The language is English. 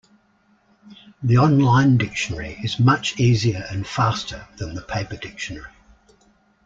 The online dictionary is much easier and faster than the paper dictionary.